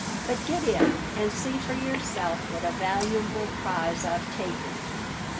But get in and see for yourself what a valuable prize I've taken."